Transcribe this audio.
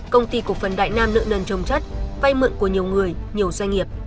công ty cổ phần đại nam nợ nần trồng chất vay mượn của nhiều người nhiều doanh nghiệp